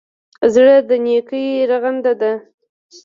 زړه د نېکۍ رغنده ده.